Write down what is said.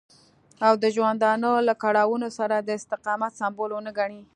او د ژوندانه له کړاوونو سره د استقامت سمبول ونه ګڼي.